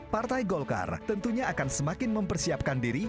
partai golkar tentunya akan semakin mempersiapkan diri